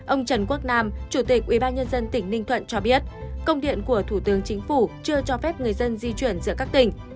ông trần quốc nam chủ tịch ubnd tỉnh ninh thuận cho biết công điện của thủ tướng chính phủ chưa cho phép người dân di chuyển giữa các tỉnh